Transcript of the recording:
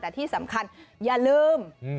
แต่ที่สำคัญอย่าลืม